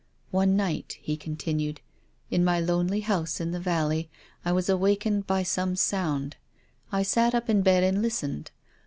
" One night," he continued, " in my lonely house in the valley I was awakened by some sound. I sat up in bed and listened.